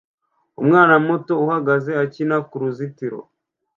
Umwana muto uhagaze akina kuruzitiro